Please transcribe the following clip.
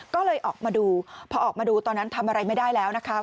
ก็เลยออกมาดูพอออกมาดูตอนนั้นทำอะไรไม่ได้แล้วนะคะ